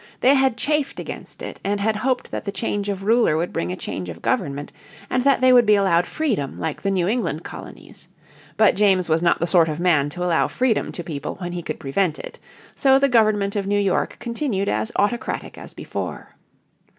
They had chafed against it and had hoped that the change of ruler would bring a change of government, and that they would be allowed freedom like the New England Colonies. But James was not the sort of man to allow freedom to people when he could prevent it. So the government of New York continued as autocratic as before.